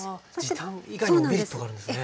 時短以外にもメリットがあるんですね。